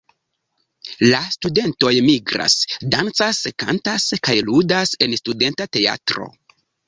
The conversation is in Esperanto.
La studentoj migras, dancas, kantas kaj ludas en studenta teatro.